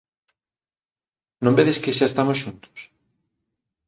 Non vedes que xa estamos xuntos?